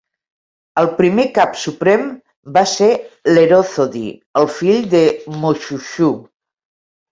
El primer cap suprem va ser Lerothodi, el fill de Moshoeshoe.